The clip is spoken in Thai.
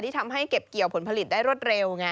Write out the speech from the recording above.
ทำให้เก็บเกี่ยวผลผลิตได้รวดเร็วไง